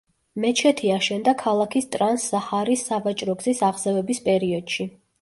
მეჩეთი აშენდა ქალაქის ტრანს-საჰარის სავაჭრო გზის აღზევების პერიოდში.